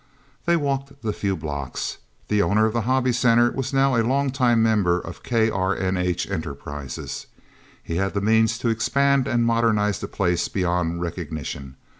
They walked the few blocks. The owner of the Hobby Center was now a long time member of KRNH Enterprises. He had the means to expand and modernize the place beyond recognition.